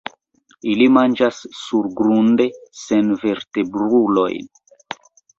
Ili manĝas surgrunde senvertebrulojn.